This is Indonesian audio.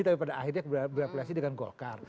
tapi pada akhirnya berapelasi dengan golkar